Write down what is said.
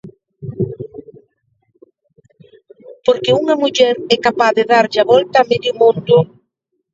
Porque unha muller e capaz de darlle a volta a medio mundo.